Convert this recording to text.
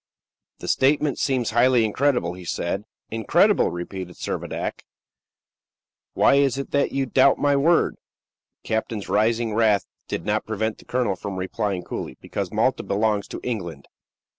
"The statement seems highly incredible," he said. "Incredible?" repeated Servadac. "Why is it that you doubt my word?" The captain's rising wrath did not prevent the colonel from replying coolly, "Because Malta belongs to England."